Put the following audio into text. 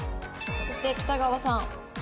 そして北川さん。